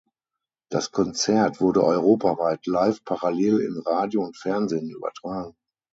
Das Konzert wurde europaweit live parallel in Radio und Fernsehen übertragen.